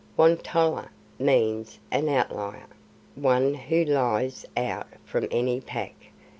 Won tolla means an Outlier one who lies out from any Pack.